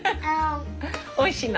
おいしいの？